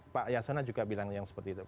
pak yasona juga bilang yang seperti itu